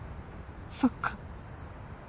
そっか。